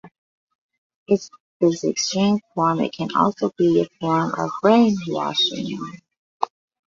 In its extreme form, it can also be a form of brainwashing.